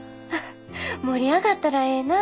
盛り上がったらええなぁ。